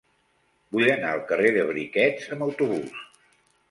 Vull anar al carrer de Briquets amb autobús.